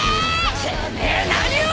てめえ何を！